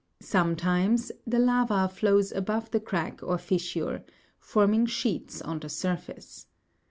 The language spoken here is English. Sometimes the lava flows above the crack or fissure, forming sheets on the surface.